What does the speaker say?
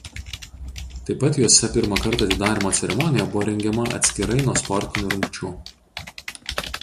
Taip pat jose pirmą kartą atidarymo ceremonija buvo rengiama atskirai nuo sportinių rungčių.